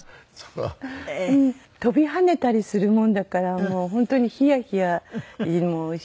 跳びはねたりするもんだから本当にヒヤヒヤしていて。